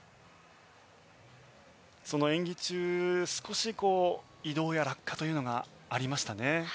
その演技中少し移動や落下というのがありましたね。